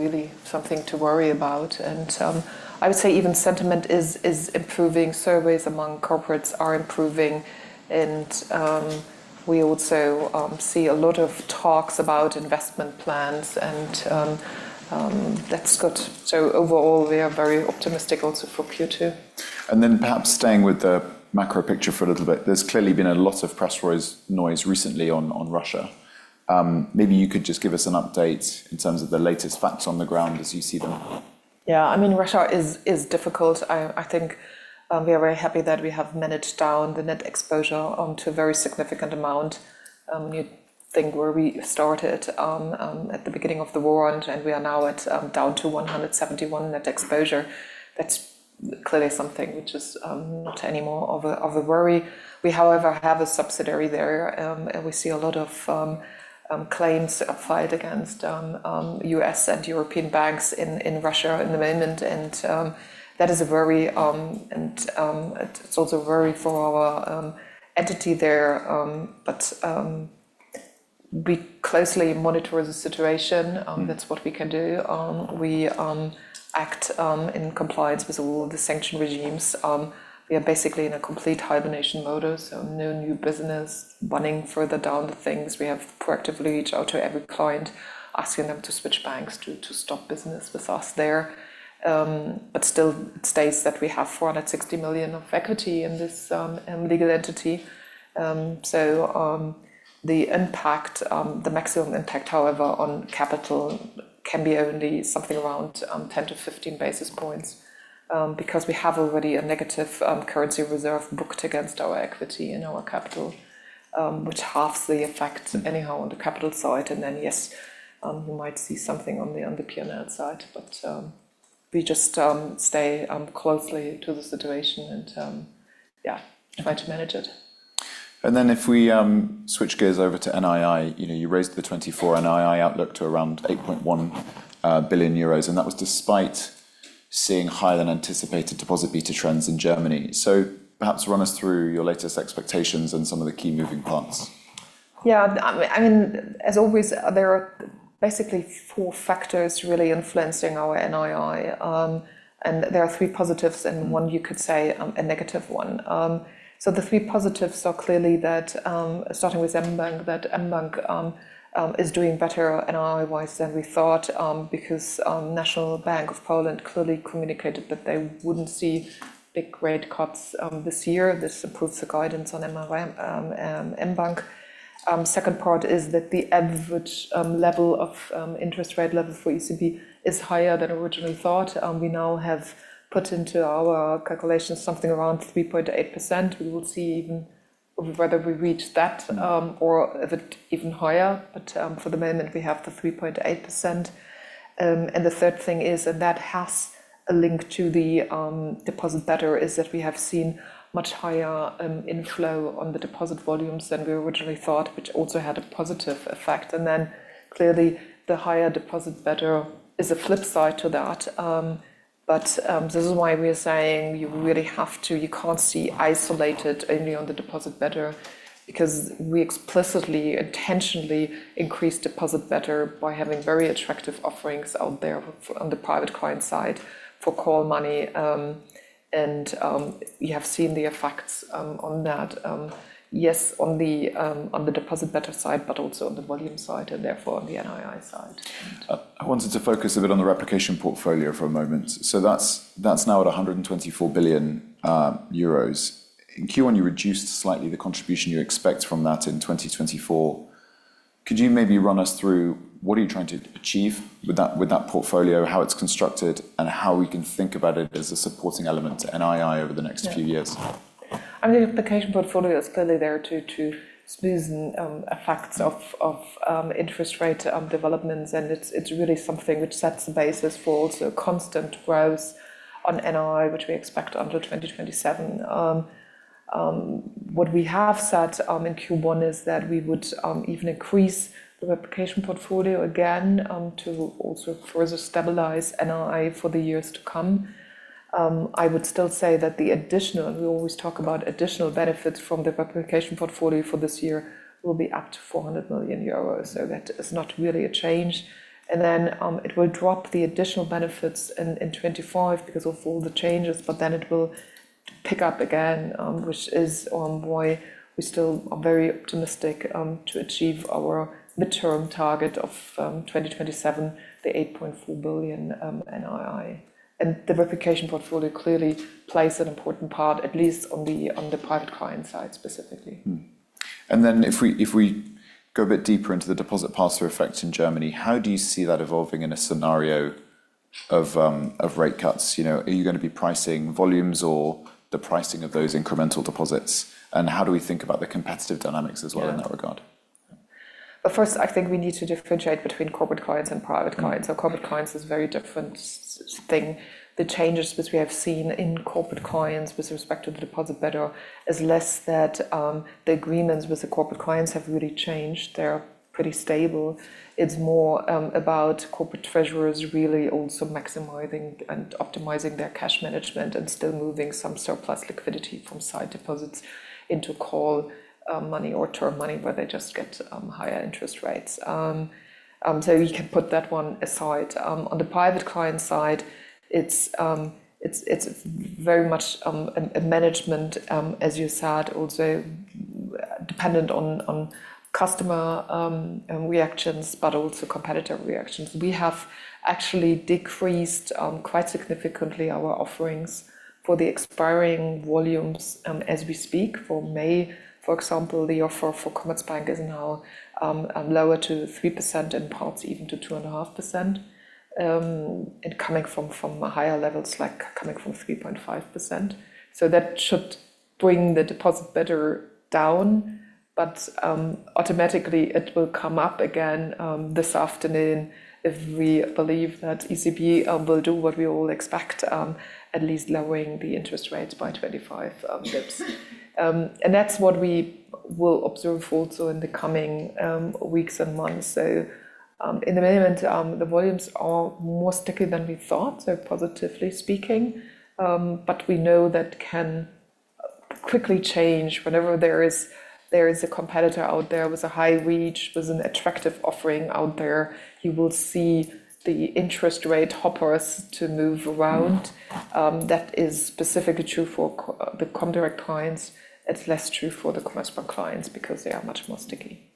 ....really something to worry about. And, I would say even sentiment is improving, surveys among corporates are improving, and, we also see a lot of talks about investment plans, and, that's good. So overall, we are very optimistic also for Q2. Then perhaps staying with the macro picture for a little bit. There's clearly been a lot of press noise recently on Russia. Maybe you could just give us an update in terms of the latest facts on the ground as you see them. Yeah, I mean, Russia is difficult. I think we are very happy that we have managed down the net exposure onto a very significant amount. You'd think where we started at the beginning of the war, and we are now at down to 171 net exposure. That's clearly something which is not anymore of a worry. We, however, have a subsidiary there, and we see a lot of claims filed against U.S. and European banks in Russia at the moment, and that is a very-- And it's also a worry for our entity there, but we closely monitor the situation, that's what we can do. We act in compliance with all of the sanction regimes. We are basically in a complete hibernation mode, so no new business, running further down the things. We have proactively reached out to every client, asking them to switch banks to stop business with us there. But still it states that we have 460 million of equity in this legal entity. So, the impact, the maximum impact, however, on capital can be only something around 10-15 basis points, because we have already a negative currency reserve booked against our equity in our capital, which halves the effect anyhow on the capital side, and then, yes, we might see something on the P&L side, but we just stay closely to the situation and yeah, try to manage it. And then if we switch gears over to NII, you know, you raised the 2024 NII outlook to around 8.1 billion euros, and that was despite seeing higher than anticipated deposit beta trends in Germany. So perhaps run us through your latest expectations and some of the key moving parts. Yeah, I mean, as always, there are basically four factors really influencing our NII. And there are three positives and one, you could say, a negative one. So the three positives are clearly that, starting with mBank, that mBank is doing better NII-wise than we thought, because National Bank of Poland clearly communicated that they wouldn't see big rate cuts this year. This improves the guidance on mBank. Second part is that the average level of interest rate level for ECB is higher than originally thought, and we now have put into our calculations something around 3.8%. We will see even whether we reach that or a bit even higher, but for the moment, we have the 3.8%. And the third thing is, and that has a link to the deposit beta, is that we have seen much higher inflow on the deposit volumes than we originally thought, which also had a positive effect. And then clearly, the higher deposit beta is a flip side to that. But this is why we are saying you really have to... You can't see isolated only on the deposit beta, because we explicitly, intentionally increased deposit beta by having very attractive offerings out there on the private client side for call money. And we have seen the effects on that, yes, on the deposit beta side, but also on the volume side, and therefore on the NII side. I wanted to focus a bit on the replication portfolio for a moment. So that's, that's now at 124 billion euros. In Q1, you reduced slightly the contribution you expect from that in 2024. Could you maybe run us through what are you trying to achieve with that, with that portfolio, how it's constructed, and how we can think about it as a supporting element to NII over the next few years? I mean, the replication portfolio is clearly there to smoothen effects of interest rate developments, and it's really something which sets the basis for also constant growth on NII, which we expect until 2027. What we have said in Q1 is that we would even increase the replication portfolio again to also further stabilize NII for the years to come. I would still say that the additional, we always talk about additional benefits from the replication portfolio for this year will be up to 400 million euros, so that is not really a change. Then, it will drop the additional benefits in 25 because of all the changes, but then it will pick up again, which is why we still are very optimistic to achieve our midterm target of 2027, the 8.4 billion NII. The replication portfolio clearly plays an important part, at least on the private client side, specifically. And then if we, if we go a bit deeper into the deposit pass-through effect in Germany, how do you see that evolving in a scenario of, of rate cuts? You know, are you gonna be pricing volumes or the pricing of those incremental deposits? And how do we think about the competitive dynamics as well in that regard? But first, I think we need to differentiate between corporate clients and private clients. So corporate clients is a very different thing. The changes which we have seen in corporate clients with respect to the deposit beta is less than that, the agreements with the corporate clients have really changed. They're pretty stable. It's more about corporate treasurers really also maximizing and optimizing their cash management and still moving some surplus liquidity from sight deposits into call money or term money, where they just get higher interest rates. So you can put that one aside. On the private client side, it's very much a management as you said also dependent on customer reactions, but also competitor reactions. We have actually decreased quite significantly our offerings for the expiring volumes as we speak. For May, for example, the offer for Commerzbank is now lower to 3%, in parts even to 2.5%. And coming from higher levels, like coming from 3.5%. So that should bring the deposit beta down, but automatically it will come up again this afternoon, if we believe that ECB will do what we all expect, at least lowering the interest rates by 25 basis points. And that's what we will observe also in the coming weeks and months. So, in the moment, the volumes are more sticky than we thought, so positively speaking. But we know that can quickly change whenever there is a competitor out there with a high reach, with an attractive offering out there. You will see the interest rate shoppers to move around. That is specifically true for the Comdirect clients. It's less true for the Commerzbank clients because they are much more sticky.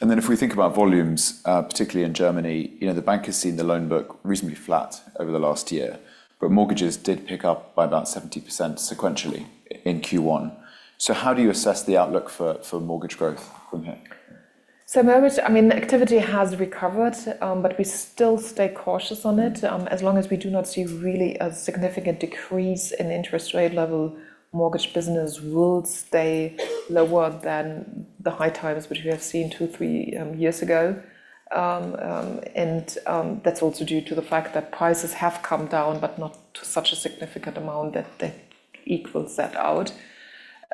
And then if we think about volumes, particularly in Germany, you know, the bank has seen the loan book reasonably flat over the last year, but mortgages did pick up by about 70% sequentially in Q1. So how do you assess the outlook for mortgage growth from here? So, mortgage, I mean, the activity has recovered, but we still stay cautious on it. As long as we do not see really a significant decrease in interest rate level, mortgage business will stay lower than the high times, which we have seen two, three years ago. And that's also due to the fact that prices have come down, but not to such a significant amount that they equal that out.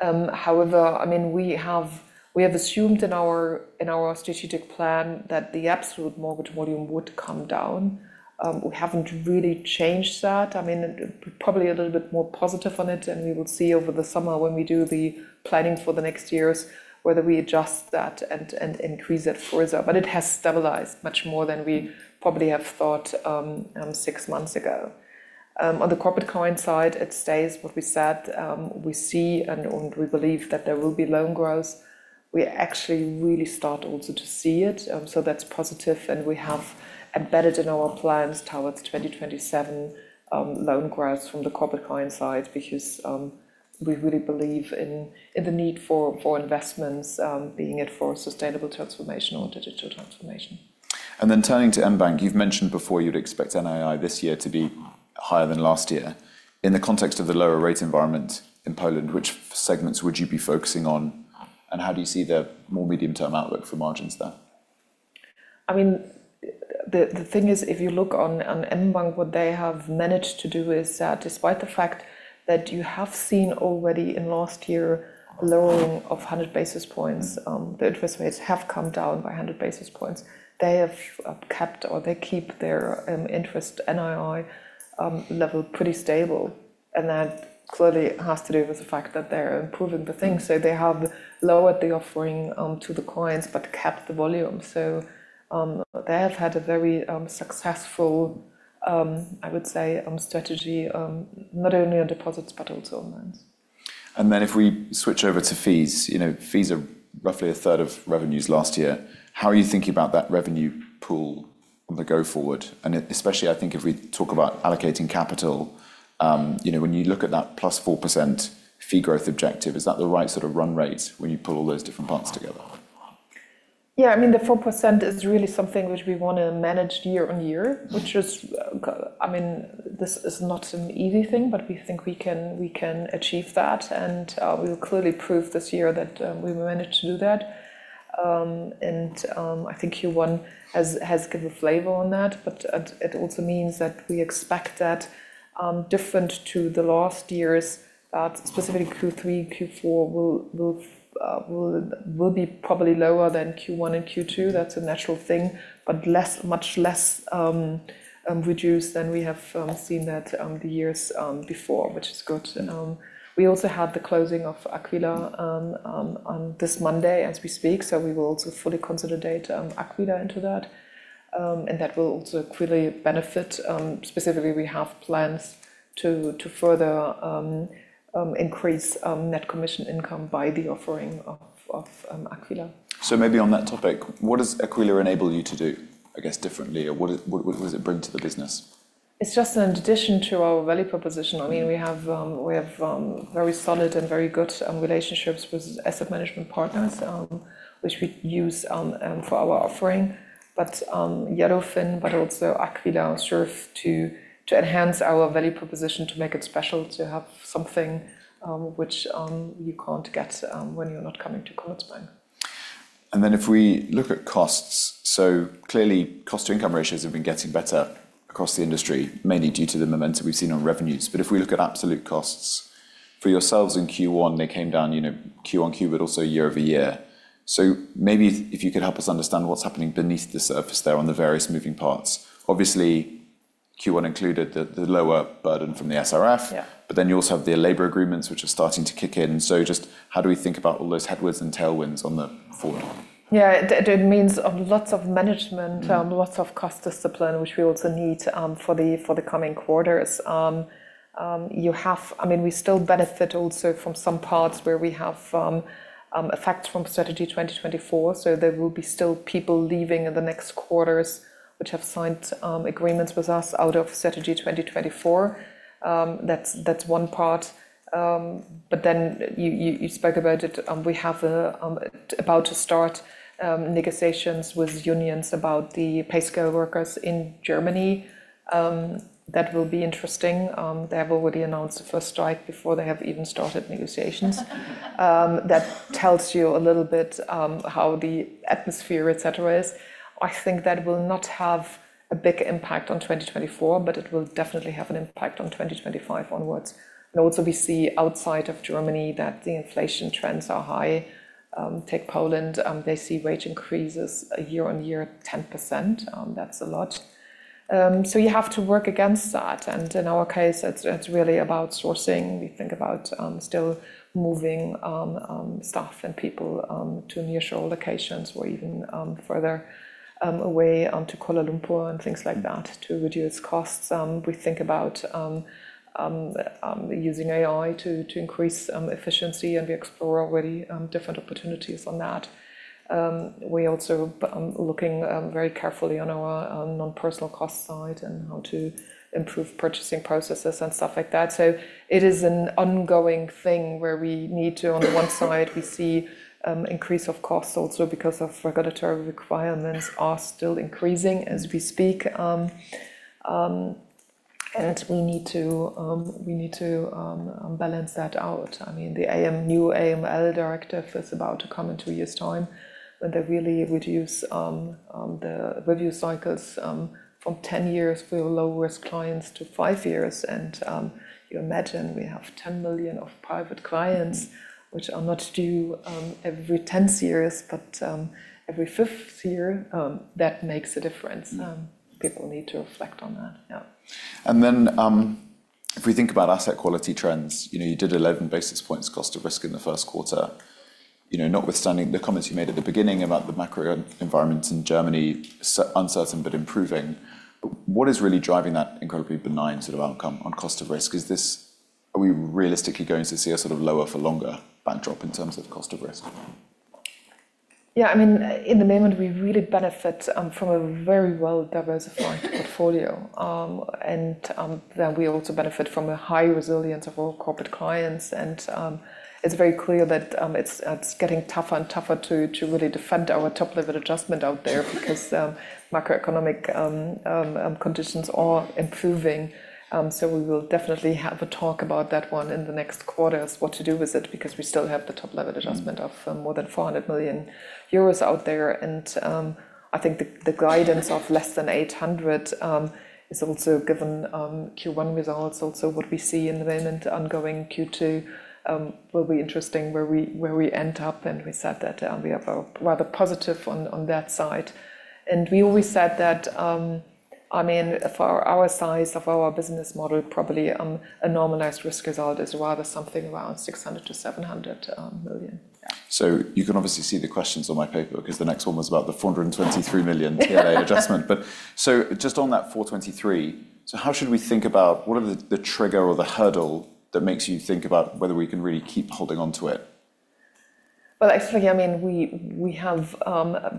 However, I mean, we have, we have assumed in our, in our strategic plan that the absolute mortgage volume would come down. We haven't really changed that. I mean, probably a little bit more positive on it, and we will see over the summer when we do the planning for the next years, whether we adjust that and, and increase it further. But it has stabilized much more than we probably have thought, six months ago. On the corporate client side, it stays what we said. We see, and we believe that there will be loan growth. We actually really start also to see it, so that's positive, and we have embedded in our plans towards 2027, loan growth from the corporate client side, because we really believe in the need for investments, being it for sustainable transformation or digital transformation. And then turning to mBank, you've mentioned before you'd expect NII this year to be higher than last year. In the context of the lower rate environment in Poland, which segments would you be focusing on, and how do you see the more medium-term outlook for margins there? I mean, the thing is, if you look on mBank, what they have managed to do is that despite the fact that you have seen already in last year a lowering of 100 basis points, the interest rates have come down by 100 basis points. They have kept or they keep their interest NII level pretty stable, and that clearly has to do with the fact that they're improving the things. So they have lowered the offering to the clients, but kept the volume. So, they have had a very successful, I would say, strategy, not only on deposits, but also on loans. Then if we switch over to fees, you know, fees are roughly a third of revenues last year. How are you thinking about that revenue pool on the go forward? And especially, I think if we talk about allocating capital, you know, when you look at that +4% fee growth objective, is that the right sort of run rate when you pull all those different parts together? Yeah, I mean, the 4% is really something which we wanna manage year on year, which is, I mean, this is not an easy thing, but we think we can achieve that, and we will clearly prove this year that we will manage to do that. And I think Q1 has given a flavor on that, but it also means that we expect that, different to the last years, specifically Q3, Q4 will be probably lower than Q1 and Q2. That's a natural thing, but less, much less reduced than we have seen in the years before, which is good. And we also had the closing of Aquila on this Monday as we speak, so we will also fully consolidate Aquila into that. And that will also clearly benefit. Specifically, we have plans to further increase net commission income by the offering of Aquila. Maybe on that topic, what does Aquila enable you to do, I guess, or what does it bring to the business? It's just an addition to our value proposition. I mean, we have very solid and very good relationships with asset management partners, which we use for our offering. But YIELCO, but also Aquila, serve to enhance our value proposition, to make it special, to have something which you can't get when you're not coming to Commerzbank. Then if we look at costs, so clearly, cost to income ratios have been getting better across the industry, mainly due to the momentum we've seen on revenues. But if we look at absolute costs, for yourselves in Q1, they came down, you know, Q1 Q&Q, but also year-over-year. So maybe if you could help us understand what's happening beneath the surface there on the various moving parts. Obviously, Q&Q included the lower burden from the SRF. Yeah. But then you also have the labor agreements, which are starting to kick in. So just how do we think about all those headwinds and tailwinds on the forum? Yeah, it means lots of management, lots of cost discipline, which we also need, for the coming quarters. I mean, we still benefit also from some parts where we have effects from Strategy 2024, so there will be still people leaving in the next quarters, which have signed agreements with us out of Strategy 2024. That's one part. But then you spoke about it, we have about to start negotiations with unions about the pay scale workers in Germany. That will be interesting. They have already announced the first strike before they have even started negotiations. That tells you a little bit how the atmosphere, et cetera, is. I think that will not have a big impact on 2024, but it will definitely have an impact on 2025 onwards. Also, we see outside of Germany that the inflation trends are high. Take Poland, they see wage increases year-on-year, 10%. That's a lot. So you have to work against that, and in our case, it's really about sourcing. We think about still moving staff and people to nearshore locations or even further away to Kuala Lumpur and things like that, to reduce costs. We think about using AI to increase efficiency, and we explore already different opportunities on that. We're also looking very carefully on our non-personal cost side and how to improve purchasing processes and stuff like that. So it is an ongoing thing where we need to, on the one side, we see an increase of costs also because regulatory requirements are still increasing as we speak. And we need to balance that out. I mean, the new AML directive is about to come in two years' time, when they really reduce the review cycles from 10 years for your low-risk clients to five years. And you imagine we have 10 million of private clients, which are not due every 10 years, but every fifth year, that makes a difference. People need to reflect on that. Yeah. And then, if we think about asset quality trends, you know, you did 11 basis points cost of risk in the first quarter. You know, notwithstanding the comments you made at the beginning about the macro environment in Germany, uncertain but improving, what is really driving that incredibly benign sort of outcome on cost of risk? Is this... Are we realistically going to see a sort of lower for longer backdrop in terms of cost of risk? Yeah, I mean, in the moment, we really benefit from a very well-diversified portfolio. And then we also benefit from a high resilience of all corporate clients, and it's very clear that it's getting tougher and tougher to really defend our Top-Level Adjustment out there because macroeconomic conditions are improving. So we will definitely have a talk about that one in the next quarters, what to do with it, because we still have the Top-Level Adjustment of more than 400 million euros out there. And, I think the guidance of less than 800 is also given Q1 results. Also, what we see in the moment, ongoing Q2, will be interesting, where we end up, and we said that we are rather positive on that side. And we always said that, I mean, for our size, of our business model, probably, a normalized risk result is rather something around 600 million-700 million. So you can obviously see the questions on my paper, because the next one was about the 423 million TLA adjustment. But so just on that 423, so how should we think about what are the, the trigger or the hurdle that makes you think about whether we can really keep holding onto it? Well, actually, I mean, we have,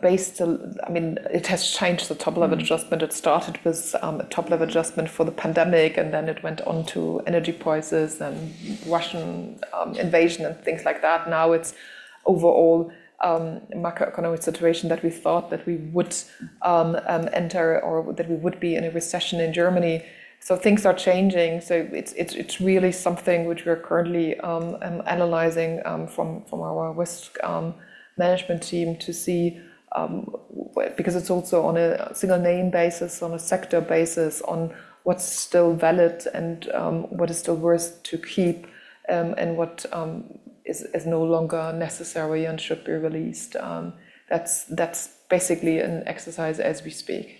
based on... I mean, it has changed the Top-Level Adjustment. It started with a Top-Level Adjustment for the pandemic, and then it went on to energy prices and Russian invasion and things like that. Now, it's overall macroeconomic situation that we thought that we would enter, or that we would be in a recession in Germany. So things are changing, so it's really something which we are currently analyzing from our risk management team to see because it's also on a single name basis, on a sector basis, on what's still valid and what is still worth to keep, and what is no longer necessary and should be released. That's basically an exercise as we speak.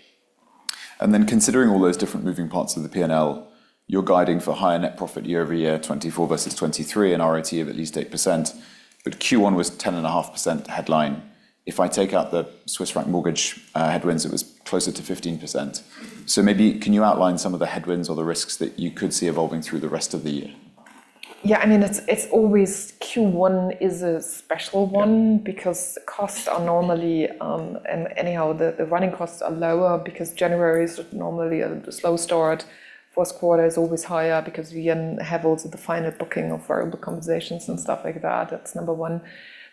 Considering all those different moving parts of the P&L, you're guiding for higher net profit year over year, 2024 versus 2023, and RoTE of at least 8%, but Q1 was 10.5% headline. If I take out the Swiss franc mortgage headwinds, it was closer to 15%. So maybe, can you outline some of the headwinds or the risks that you could see evolving through the rest of the year? Yeah, I mean, it's always Q1 is a special one- Yeah... because costs are normally, anyhow, the running costs are lower because January is normally a slow start. First quarter is always higher because we have also the final booking of variable compensations and stuff like that. That's number one.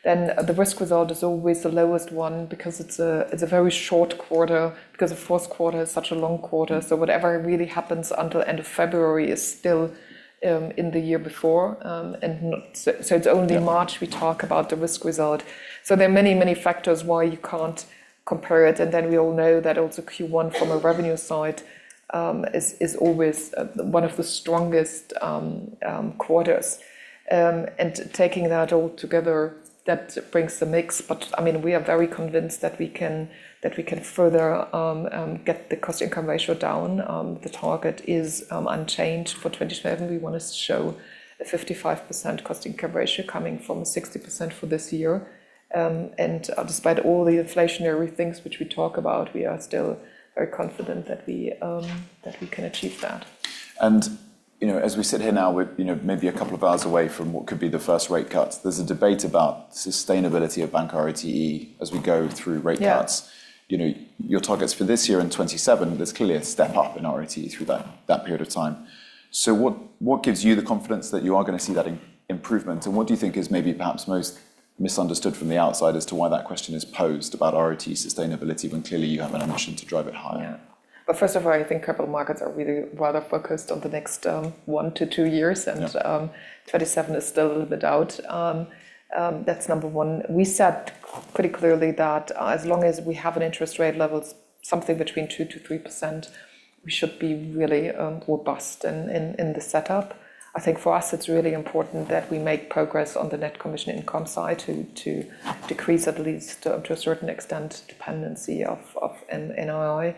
Then the risk result is always the lowest one, because it's a very short quarter, because the fourth quarter is such a long quarter. So whatever really happens until the end of February is still in the year before and not... So it's only- Yeah... March we talk about the risk result. So there are many, many factors why you can't compare it, and then we all know that also Q1 from a revenue side, is, is always, one of the strongest quarters. And taking that all together, that brings the mix. But, I mean, we are very convinced that we can, that we can further get the cost-income ratio down. The target is unchanged for 2027. We want to show a 55% cost-income ratio coming from 60% for this year.... And despite all the inflationary things which we talk about, we are still very confident that we, that we can achieve that. You know, as we sit here now, we're, you know, maybe a couple of hours away from what could be the first rate cut. There's a debate about sustainability of bank ROTE as we go through rate cuts. Yeah. You know, your targets for this year and 2027, there's clearly a step up in ROTE through that period of time. So what gives you the confidence that you are gonna see that improvement, and what do you think is maybe perhaps most misunderstood from the outside as to why that question is posed about ROTE sustainability, when clearly you have an ambition to drive it higher? Yeah. But first of all, I think capital markets are really rather focused on the next, one to two years, and- Yeah... 2027 is still a little bit out. That's number one. We said pretty clearly that, as long as we have an interest rate level something between 2%-3%, we should be really robust in the setup. I think for us, it's really important that we make progress on the net commission income side to decrease, at least, to a certain extent, dependency of NII.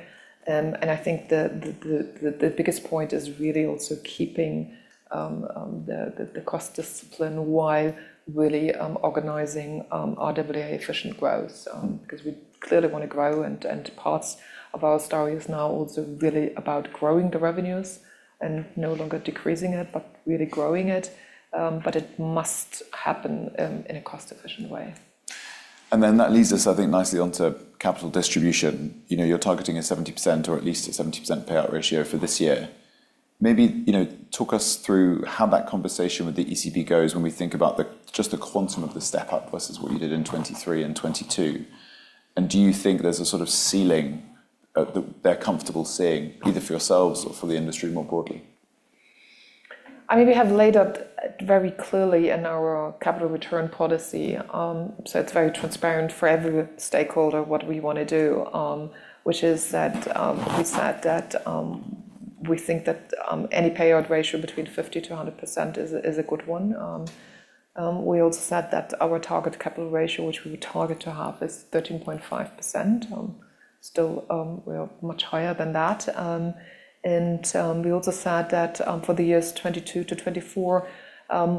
And I think the biggest point is really also keeping the cost discipline while really organizing our RWA efficient growth. Because we clearly want to grow, and parts of our story is now also really about growing the revenues and no longer decreasing it, but really growing it. But it must happen in a cost-efficient way. And then that leads us, I think, nicely onto capital distribution. You know, you're targeting a 70% or at least a 70% payout ratio for this year. Maybe, you know, talk us through how that conversation with the ECB goes when we think about the, just the quantum of the step-up versus what you did in 2023 and 2022. And do you think there's a sort of ceiling that they're comfortable seeing, either for yourselves or for the industry more broadly? I mean, we have laid out very clearly in our capital return policy, so it's very transparent for every stakeholder what we want to do, which is that, we said that, we think that, any payout ratio between 50%-100% is a, is a good one. We also said that our target capital ratio, which we target to have, is 13.5%. Still, we are much higher than that. And, we also said that, for the years 2022-2024,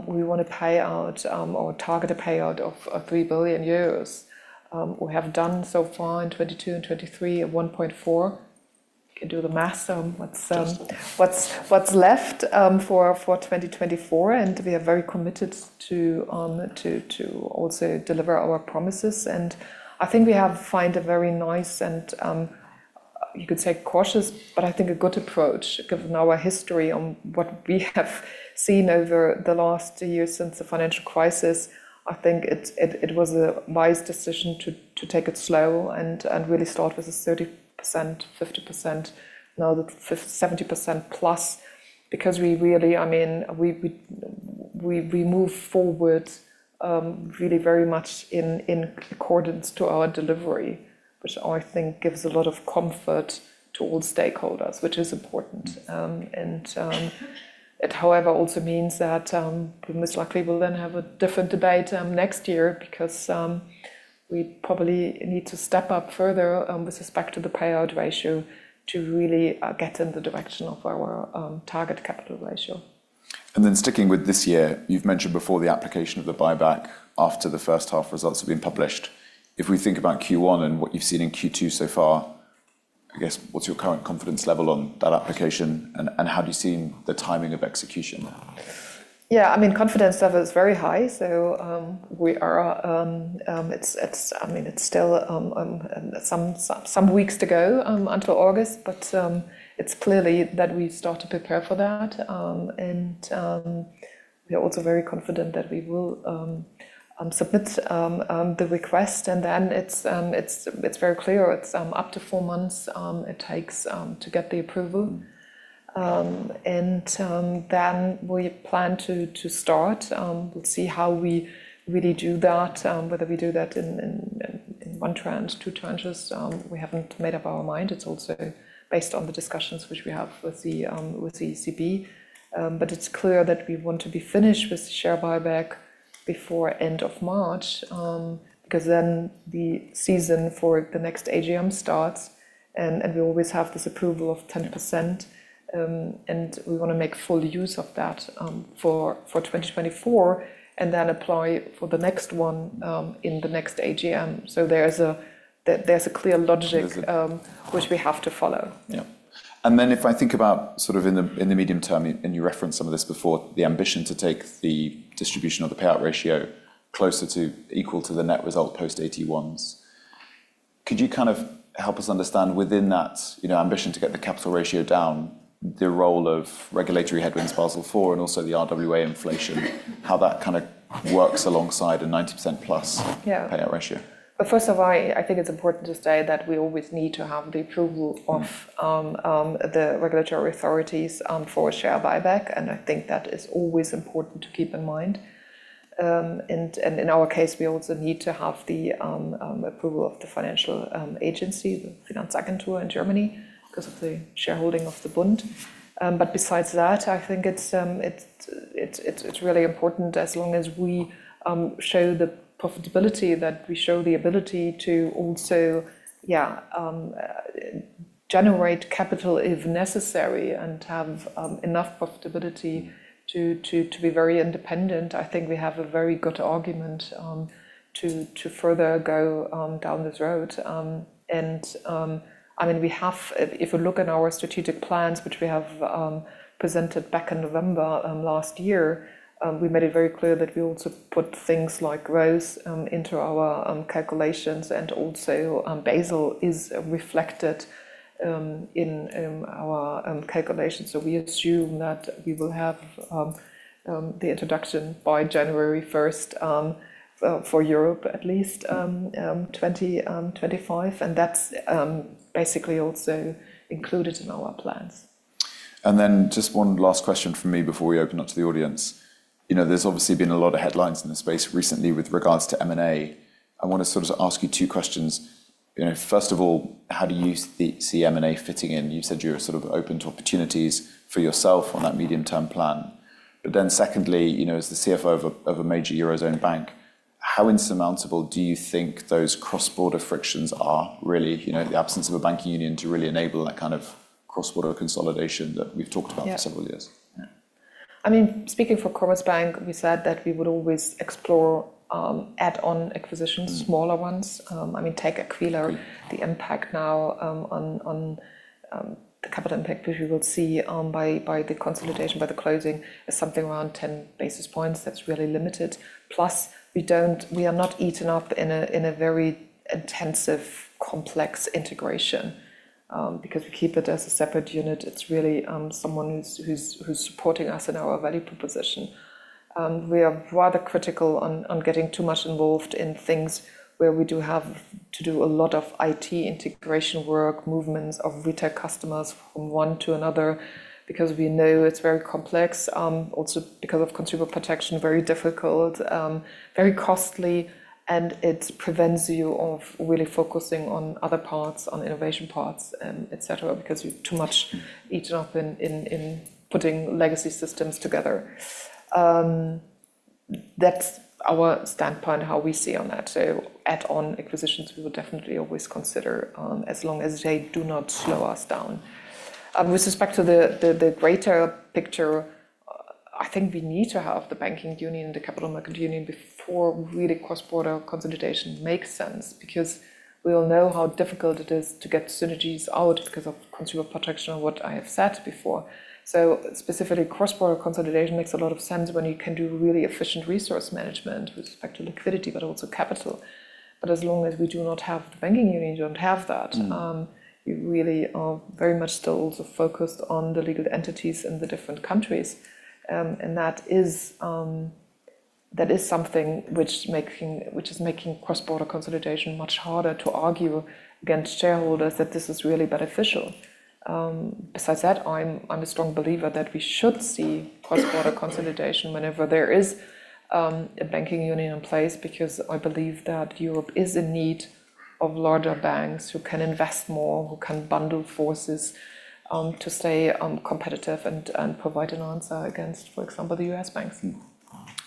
we want to pay out, or target a payout of 3 billion euros. We have done so far in 2022 and 2023, a 1.4. You can do the math, what's- Yes... what's left for 2024, and we are very committed to also deliver our promises. And I think we have found a very nice and you could say cautious, but I think a good approach, given our history on what we have seen over the last years since the financial crisis. I think it was a wise decision to take it slow and really start with a 30%, 50%, now 70%+. Because we really I mean, we move forward really very much in accordance to our delivery, which I think gives a lot of comfort to all stakeholders, which is important. And, it, however, also means that, most likely, we'll then have a different debate, next year, because, we probably need to step up further, with respect to the payout ratio, to really, get in the direction of our, target capital ratio. And then sticking with this year, you've mentioned before the application of the buyback after the first half results have been published. If we think about Q1 and what you've seen in Q2 so far, I guess, what's your current confidence level on that application, and, and how do you see the timing of execution? Yeah, I mean, confidence level is very high, so, we are... It's, it's- I mean, it's still, some weeks to go, until August, but, it's clearly that we start to prepare for that. And, we are also very confident that we will, submit, the request, and then it's, it's very clear, it's, up to four months, it takes, to get the approval. And, then we plan to, to start, we'll see how we really do that, whether we do that in, one tranche, two tranches. We haven't made up our mind. It's also based on the discussions which we have with the, with the ECB. But it's clear that we want to be finished with share buyback before end of March, because then the season for the next AGM starts, and we always have this approval of 10%, and we want to make full use of that, for 2024, and then apply for the next one, in the next AGM. So there's a clear logic- There's a-... which we have to follow. Yeah. And then if I think about sort of in the, in the medium term, and you referenced some of this before, the ambition to take the distribution or the payout ratio closer to equal to the net result post AT1s. Could you kind of help us understand within that, you know, ambition to get the capital ratio down, the role of regulatory headwinds, Basel IV, and also the RWA inflation, how that kind of works alongside a 90%+- Yeah... payout ratio? First of all, I think it's important to say that we always need to have the approval of the regulatory authorities for share buyback, and I think that is always important to keep in mind. In our case, we also need to have the approval of the financial agency, the Finanzagentur in Germany, because of the shareholding of the Bund. But besides that, I think it's really important, as long as we show the profitability, that we show the ability to also, yeah, generate capital if necessary and have enough profitability to be very independent. I think we have a very good argument to further go down this road. And, I mean, we have, if we look at our strategic plans, which we have presented back in November last year, we made it very clear that we also put things like growth into our calculations, and also, Basel is reflected in our calculations. So we assume that we will have the introduction by January 1st, for Europe at least, 2025, and that's basically also included in our plans. And then just one last question from me before we open up to the audience. You know, there's obviously been a lot of headlines in the space recently with regards to M&A. I want to sort of ask you two questions. You know, first of all, how do you see M&A fitting in? You said you're sort of open to opportunities for yourself on that medium-term plan. But then secondly, you know, as the CFO of a major Eurozone bank, how insurmountable do you think those cross-border frictions are really, you know, in the absence of a Banking Union, to really enable that kind of cross-border consolidation that we've talked about? Yeah... for several years? Yeah. I mean, speaking for Commerzbank, we said that we would always explore, add-on acquisitions smaller ones. I mean, take Aquila, the impact now, on the capital impact, which we will see, by the consolidation, by the closing, is something around 10 basis points. That's really limited. Plus, we are not eaten up in a very intensive, complex integration, because we keep it as a separate unit. It's really, someone who's supporting us in our value proposition. We are rather critical on getting too much involved in things where we do have to do a lot of IT integration work, movements of retail customers from one to another, because we know it's very complex. Also because of consumer protection, very difficult, very costly, and it prevents you of really focusing on other parts, on innovation parts, and et cetera, because you're too much eaten up in putting legacy systems together. That's our standpoint, how we see on that. So add-on acquisitions, we would definitely always consider, as long as they do not slow us down. With respect to the greater picture, I think we need to have the Banking Union and the Capital Market Union before really cross-border consolidation makes sense. Because we all know how difficult it is to get synergies out because of consumer protection and what I have said before. So specifically, cross-border consolidation makes a lot of sense when you can do really efficient resource management with respect to liquidity, but also capital. But as long as we do not have the Banking Union, we don't have that. We really are very much still also focused on the legal entities in the different countries. And that is something which making- which is making cross-border consolidation much harder to argue against shareholders that this is really beneficial. Besides that, I'm a strong believer that we should see cross-border consolidation whenever there is a Banking Union in place, because I believe that Europe is in need of larger banks who can invest more, who can bundle forces to stay competitive and provide an answer against, for example, the U.S. banks.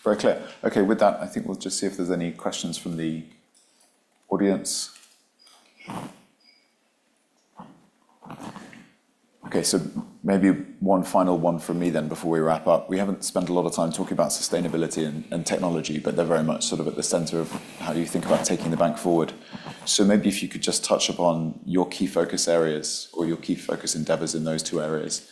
Very clear. Okay, with that, I think we'll just see if there's any questions from the audience. Okay, so maybe one final one from me then before we wrap up. We haven't spent a lot of time talking about sustainability and technology, but they're very much sort of at the center of how you think about taking the bank forward. So maybe if you could just touch upon your key focus areas or your key focus endeavors in those two areas.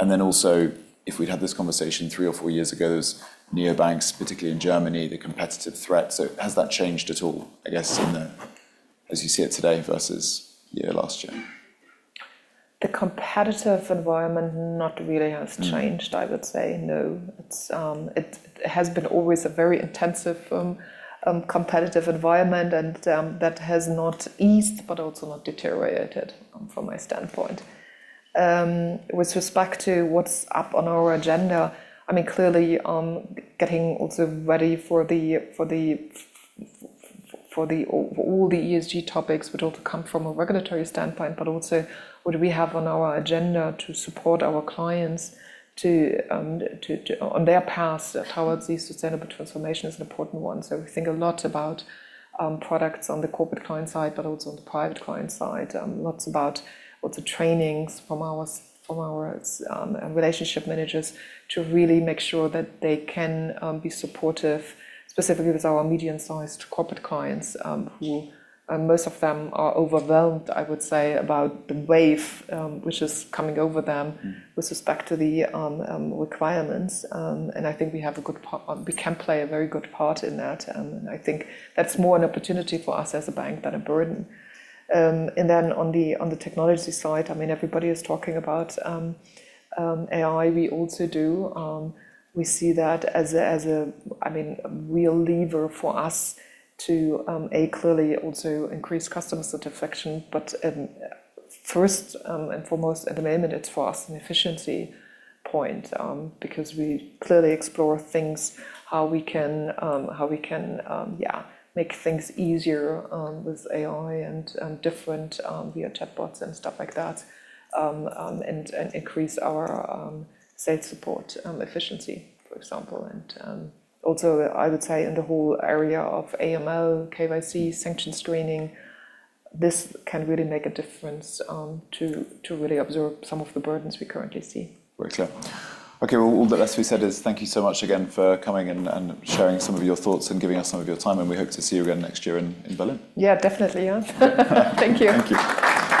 And then also, if we'd had this conversation three or four years ago, there was neobanks, particularly in Germany, the competitive threat. So has that changed at all, I guess, in the, as you see it today versus, you know, last year? The competitive environment not really has changed. I would say. No. It's... It has been always a very intensive competitive environment, and that has not eased, but also not deteriorated from my standpoint. With respect to what's up on our agenda, I mean, clearly, getting also ready for all the ESG topics, which also come from a regulatory standpoint, but also what do we have on our agenda to support our clients to... On their path towards the sustainable transformation is an important one. So we think a lot about products on the corporate client side, but also on the private client side. Lots about also trainings from our relationship managers to really make sure that they can be supportive, specifically with our medium-sized corporate clients, who, and most of them are overwhelmed, I would say, about the wave which is coming over them with respect to the requirements. And I think we have a good part. We can play a very good part in that, and I think that's more an opportunity for us as a bank than a burden. And then on the technology side, I mean, everybody is talking about AI. We also do. We see that as a, as a, I mean, a real lever for us to clearly also increase customer satisfaction, but first and foremost, at the moment, it's for us an efficiency point. Because we clearly explore things, how we can, how we can, yeah, make things easier with AI and different via chatbots and stuff like that. And increase our sales support efficiency, for example. Also, I would say in the whole area of AML, KYC, sanction screening, this can really make a difference to really absorb some of the burdens we currently see. Very clear. Okay, well, all that's left to be said is thank you so much again for coming and sharing some of your thoughts and giving us some of your time, and we hope to see you again next year in Berlin. Yeah, definitely. Yeah. Thank you. Thank you.